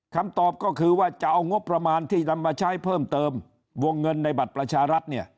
คำตอบก็คือว่าจะเอางบประมาณที่นำมาใช้เพิ่มเติมวงเงินในบัตรประชารัฐเนี่ย